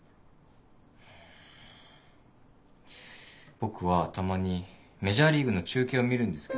僕はたまにメジャーリーグの中継を見るんですけど。